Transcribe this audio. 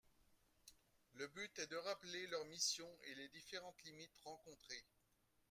Le but est de rappeler leurs missions et les différentes limites rencontrées